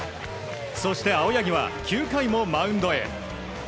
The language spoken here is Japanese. そして、青柳は９回もマウンドへ。